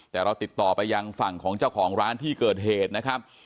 แต่เราติดต่อไปยังฝั่งของเจ้าของร้านที่เกิดเหตุนะครับ